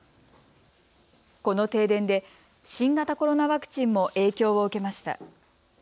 この停電で新型コロナワクチンも影響を受けました。